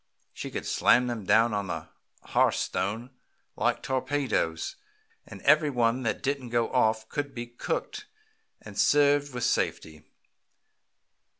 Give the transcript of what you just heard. She could slam them down on the hearth stone like torpedoes, and every one that didn't go off could be cooked and served with safety.